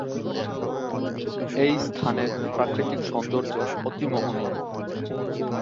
এই স্থানের প্রাকৃতিক সৌন্দর্য্য অতি মোহনীয়।